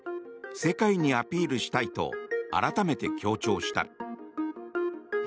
世界にアピールしたいと改めて強調した。